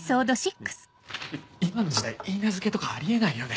今の時代許嫁とかあり得ないよね